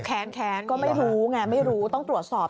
แค้นแค้นก็ไม่รู้ไงไม่รู้ต้องตรวจสอบ